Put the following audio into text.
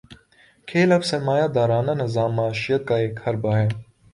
کھیل اب سرمایہ دارانہ نظام معیشت کا ایک حربہ ہے۔